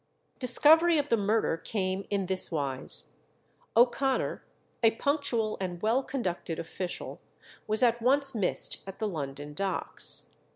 Discovery of the murder came in this wise. O'Connor, a punctual and well conducted official, was at once missed at the London Docks.